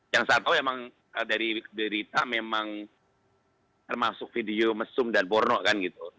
yang saya tahu memang dari berita memang termasuk video mesum dan porno kan gitu